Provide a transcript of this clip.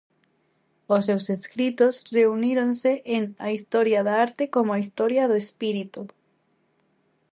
Os seus escritos reuníronse en "A historia da arte como historia do espírito".